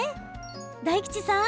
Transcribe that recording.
大吉さん